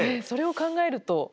それを考えると。